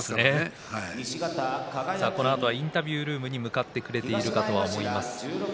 インタビュールームに向かってくれているかと思います。